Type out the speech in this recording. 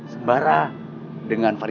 sembara dengan faridah